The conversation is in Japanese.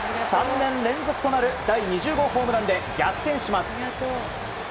３年連続となる第２０号ホームランで逆転します。